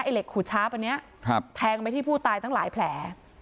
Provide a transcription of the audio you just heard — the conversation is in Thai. ไอ้เหล็กขู่ช้าป่ะเนี้ยครับแทงไปที่ผู้ตายตั้งหลายแผล